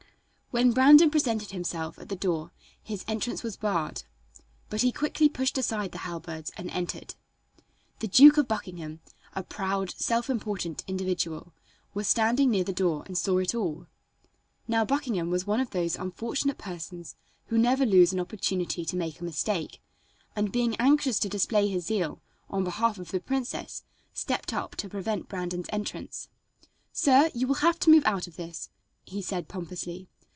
When Brandon presented himself at the door his entrance was barred, but he quickly pushed aside the halberds and entered. The Duke of Buckingham, a proud, self important individual, was standing near the door and saw it all. Now Buckingham was one of those unfortunate persons who never lose an opportunity to make a mistake, and being anxious to display his zeal on behalf of the princess stepped up to prevent Brandon's entrance. "Sir, you will have to move out of this," he said pompously.